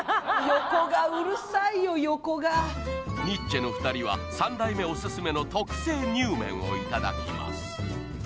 横がニッチェの２人は三代目おすすめの特製煮麺をいただきます